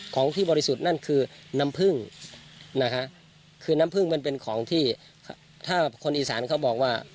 ของที่บริสุทธิ์นั่นคือน้ำผึ้งนะคะคือน้ำผึ้งมันเป็นของที่ถ้าคนอีสานเขาบอกว่า